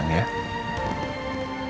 enggak usah marah marah